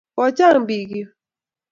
Ko chang' pik yu